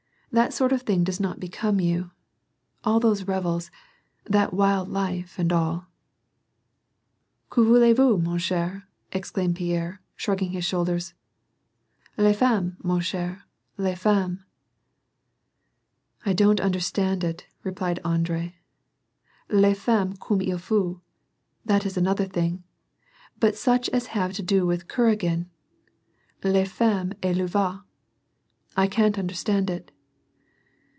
That sort of thing does not become you : all those revels^ that wild life, and all "— "Que voulez vous, mon cheTy'* exclaimed Pierre, shrugging his shoulders, "Les femmeBj man eher, lesfemTnesf" "I don't understand it/' replied Andrei. "Les femmes eomme U fauty that is another thing, but such as have to do with Kuragin, les femTnes et le vin, I can't understand it."